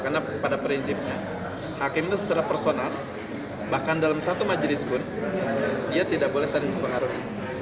karena pada prinsipnya hakim itu secara personal bahkan dalam satu majelis pun dia tidak boleh sering berpengaruh